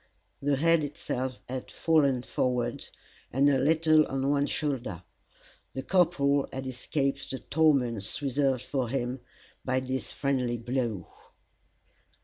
The head itself had fallen forward, and a little on one shoulder. The corporal had escaped the torments reserved for him, by this friendly blow.